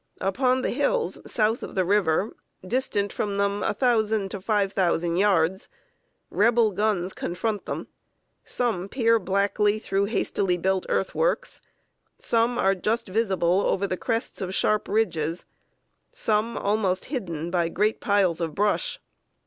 Upon the hills south of the river, distant from them a thousand to five thousand yards, Rebel guns confront them. Some peer blackly through hastily built earthworks; some are just visible over the crests of sharp ridges; some almost hidden by great piles of brush.